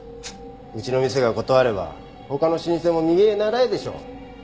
うちの店が断れば他の老舗も右へ倣えでしょう。